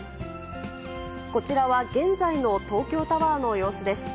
こちらは、現在の東京タワーの様子です。